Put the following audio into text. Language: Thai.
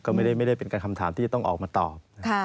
ก็ไม่ได้เป็นการคำถามที่จะต้องออกมาตอบ